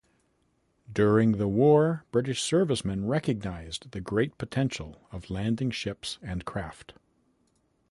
During the War British servicemen recognised the great potential of landing ships and craft.